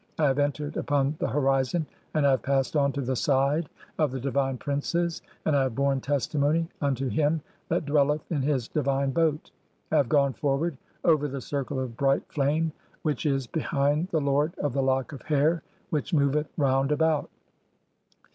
I have entered upon the horizon, and I have "passed on (14) to the side of the divine princes, and I have "borne testimony unto him that dwelleth in his divine boat. "I have gone forward over the circle of bright (15) flame which "is behind the lord of the lock of hair which moveth round "about.